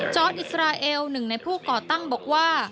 อิสราเอลหนึ่งในผู้ก่อตั้งบอกว่า